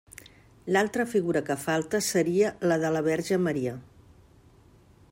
L'altra figura que falta seria la de la Verge Maria.